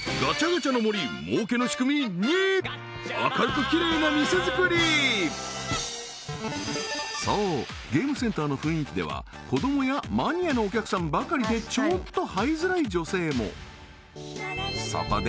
行きたくないそうゲームセンターの雰囲気では子どもやマニアのお客さんばかりでちょっと入りづらい女性もそこで